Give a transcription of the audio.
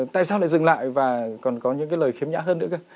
tại sao lại dừng lại và còn có những cái lời khiêm nhã hơn nữa cơ